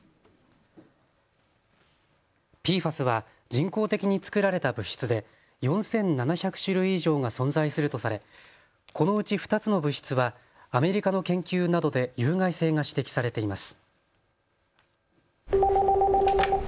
ＰＦＡＳは人工的に作られた物質で４７００種類以上が存在するとされこのうち２つの物質はアメリカの研究などで有害性が指摘されています。